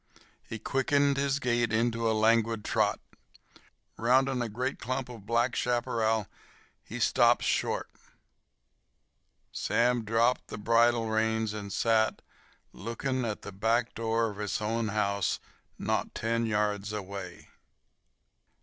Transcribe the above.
He quickened his gait into a languid trot. Rounding a great clump of black chaparral he stopped short. Sam dropped the bridle reins and sat, looking into the back door of his own house, not ten yards away.